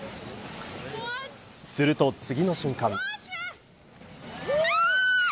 すると次の瞬間。